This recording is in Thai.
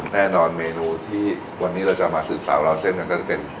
แน่นอนเมนูที่วันนี้เราจะมาสืบสาวราวเส้นกันก็จะเป็น